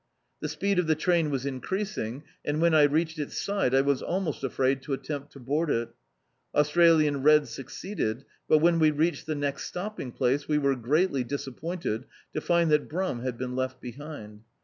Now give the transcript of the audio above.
The speed of the train was increasing and when I reached its side I was almost afraid to attempt to board it Australian Red succeeded, but when we reached the next stopping place, we were greatly disap pointed to find that Brimi had been left behind.